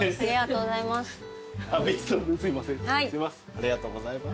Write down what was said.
ありがとうございます。